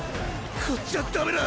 こっちはダメだ。